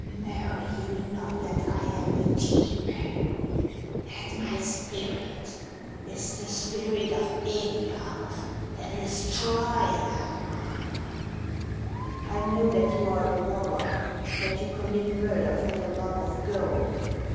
323 " Know you not that I am a demon, that my spirit is the spirit of Ingulf the Destroyer?" " I know that you are a robber, that you commit murder for the love of gold."